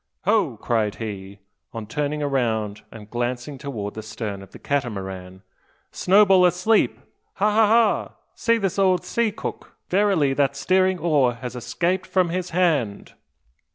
"Ho!" cried he, on turning round and glancing towards the stern of the Catamaran, "Snowball asleep! Ha! ha! ha! See the old sea cook! Verily, that steering oar has escaped from his hand!"